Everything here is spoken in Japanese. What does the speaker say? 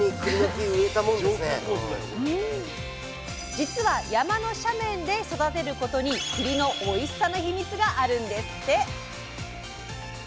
じつは山の斜面で育てることにくりのおいしさのヒミツがあるんですって。